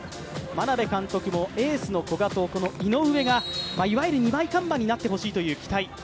眞鍋監督もエースの古賀と井上がいわゆる二枚看板になってほしいという期待。